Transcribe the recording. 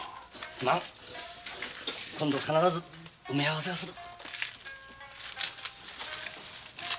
すまん今度必ず埋め合わせをする。